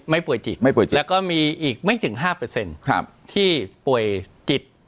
ป่วยจิตไม่ป่วยจิตแล้วก็มีอีกไม่ถึง๕ที่ป่วยจิต